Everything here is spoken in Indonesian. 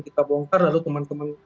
kita bongkar lalu teman teman